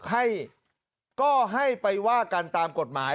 ให้ก็ให้ไปว่ากันตามกฎหมาย